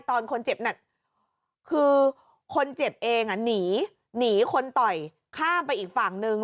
ตอนคนเจ็บน่ะคือคนเจ็บเองหนีหนีคนต่อยข้ามไปอีกฝั่งนึง